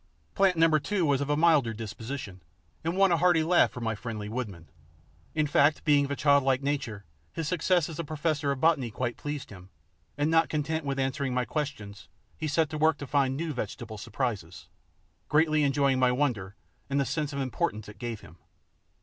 Plant Number Two was of milder disposition, and won a hearty laugh for my friendly woodman. In fact, being of a childlike nature, his success as a professor of botany quite pleased him, and not content with answering my questions, he set to work to find new vegetable surprises, greatly enjoying my wonder and the sense of importance it gave him.